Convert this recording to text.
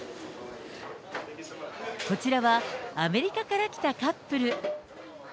こちらはアメリカから来たカップル。